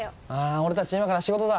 俺たち、今から仕事だ。